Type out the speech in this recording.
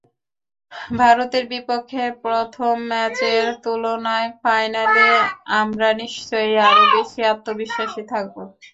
ভারতের বিপক্ষে প্রথম ম্যাচের তুলনায় ফাইনালে আমরা নিশ্চয়ই আরও বেশি আত্মবিশ্বাসী থাকব।